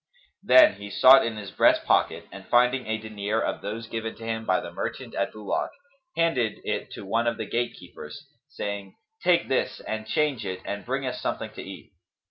Then he sought in his breast pocket and, finding a dinar of those given to him by the merchant at Bulak, handed it to one of the gatekeepers, saying, "Take this and change it and bring us something to eat."